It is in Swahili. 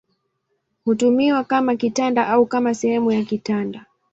Hutumiwa kama kitanda au kama sehemu ya kitanda.